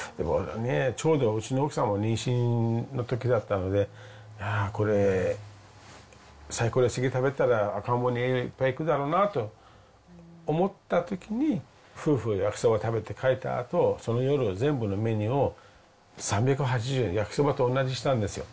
ちょうどうちの奥さんも妊娠のときだったので、いやー、これ、サイコロステーキ食べたら、赤ん坊に栄養いっぱいいくだろうなと思ったときに、夫婦が焼きそば食べて帰ったあと、その夜、全部のメニューを３８０円、焼きそばと同じにしたんですよ。